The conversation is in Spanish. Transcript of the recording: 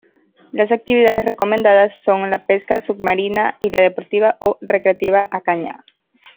Las actividades recomendadas son la pesca submarina y la deportiva o recreativa a caña.